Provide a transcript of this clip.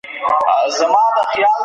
ستاسو په زړه کي به د نورو لپاره مینه وي.